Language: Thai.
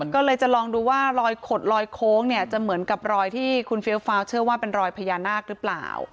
ก็เลยจะลองดูว่ารอยขดลอยโค้งเนี่ยจะเหมือนกับรอยที่คุณเฟี้ยวฟ้าวเชื่อว่าเป็นรอยพญานาคหรือเปล่า